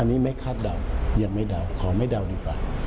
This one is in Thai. อันนี้ไม่คาดเดายังไม่เดาขอไม่เดาดีกว่า